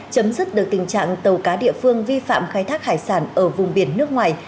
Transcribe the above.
chấm dứt được tình trạng tàu cá địa phương vi phạm khai thác hải sản ở vùng biển nước ngoài